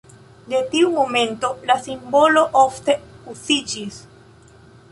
De tiu momento la simbolo ofte uziĝis.